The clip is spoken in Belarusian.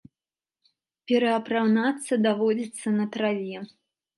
Пераапранацца даводзіцца на траве.